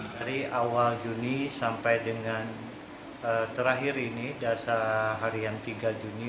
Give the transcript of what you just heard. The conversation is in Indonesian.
dari awal juni sampai dengan terakhir ini dasar harian tiga juni